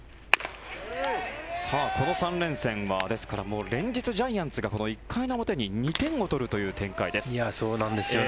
この３連戦はですから、連日ジャイアンツがこの１回の表に２点を取るという展開です。